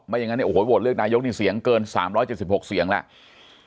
ไม่อย่างนั้นโหวตเลือกนายกนี่เสียงเกิน๓๗๖เสียงแล้ว